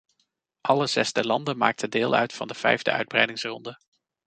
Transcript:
Alle zes de landen maakten deel uit van de vijfde uitbreidingsronde.